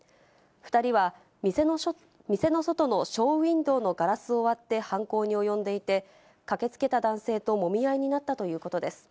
２人は店の外のショーウインドーのガラスを割って犯行に及んでいて、駆けつけた男性ともみ合いになったということです。